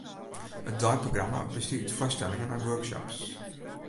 It deiprogramma bestie út foarstellingen en workshops.